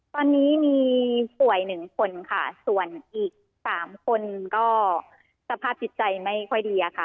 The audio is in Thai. ตอนนี้มีป่วยหนึ่งคนค่ะส่วนอีก๓คนก็สภาพจิตใจไม่ค่อยดีอะค่ะ